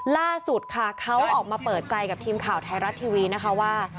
ล่าสุดค่ะเขาออกมาเปิดใจกับทีมข่าวไทยรัฐทีวีนะคะว่า